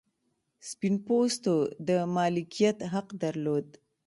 سپین پوستو د مالکیت حق درلود.